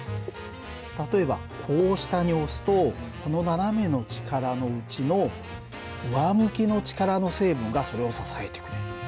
例えばこう下に押すとこの斜めの力のうちの上向きの力の成分がそれを支えてくれる。